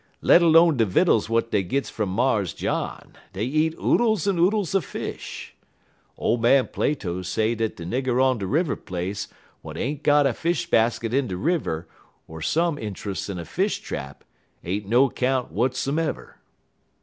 Let 'lone de vittles w'at dey gits from Mars John, dey eats oodles en oodles er fish. Ole man Plato say dat de nigger on de River place w'at ain't got a fish baskit in de river er some intruss in a fish trap ain't no 'count w'atsomever."